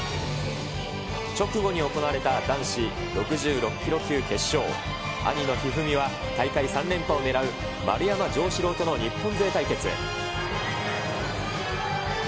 直後に行われた、男子６６キロ級決勝、兄の一二三は、大会３連覇を狙う丸山城志郎との日本勢対決。